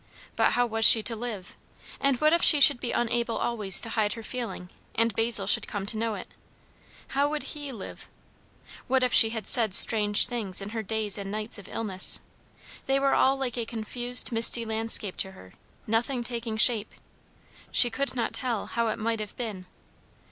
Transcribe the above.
But how was she to live? And what if she should be unable always to hide her feeling, and Basil should come to know it? how would he live? What if she had said strange things in her days and nights of illness? They were all like a confused misty landscape to her; nothing taking shape; she could not tell how it might have been.